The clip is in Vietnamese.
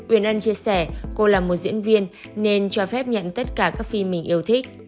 uyên ân chia sẻ cô là một diễn viên nên cho phép nhận tất cả các phi mình yêu thích